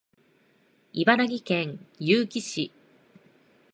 茨城県結城市